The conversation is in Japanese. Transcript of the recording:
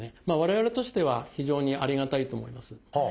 まあ我々としては非常にありがたいと思います。